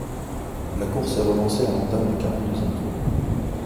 La course est relancée à l'entame du quarante-deuxième tour.